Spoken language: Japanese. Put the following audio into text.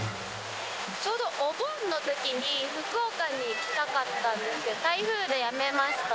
ちょうどお盆のときに、福岡に行きたかったんだけど、台風でやめました。